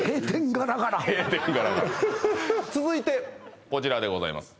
ガラガラ続いてこちらでございます